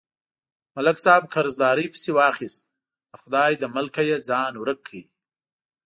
ملک صاحب قرضدارۍ پسې واخیست، د خدای له ملکه یې ځان ورک کړ.